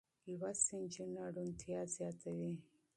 لوستې نجونې روڼتيا زياتوي.